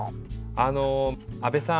あの阿部さん